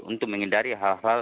untuk menghindari hal hal